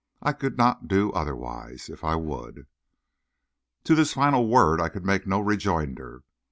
I could not do otherwise if I would." To this final word I could make no rejoinder.